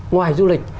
ngoài du lịch